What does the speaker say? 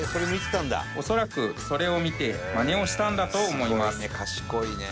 恐らくそれを見てマネをしたんだと思います